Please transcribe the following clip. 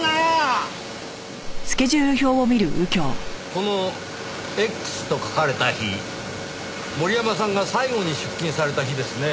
この「Ｘ」と書かれた日森山さんが最後に出勤された日ですねぇ。